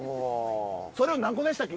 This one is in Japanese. それを何個でしたっけ？